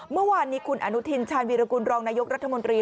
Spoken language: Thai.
เมื่อวานนี้คุณอนุทินชาญวีรกุลรองนายกรัฐมนตรี